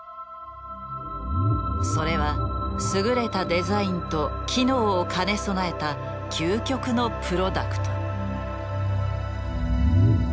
それは優れたデザインと機能を兼ね備えた究極のプロダクト。